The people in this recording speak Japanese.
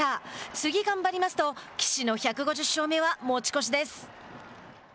次、頑張りますと岸の１５０勝目は持ち越しです。